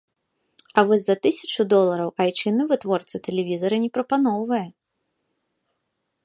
А вось за тысячу долараў айчынны вытворца тэлевізары не прапаноўвае.